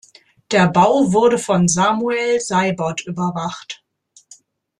Der Bau wurde von Samuel Seibert überwacht.